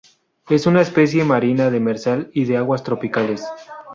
Es una especie marina, demersal y de aguas tropicales.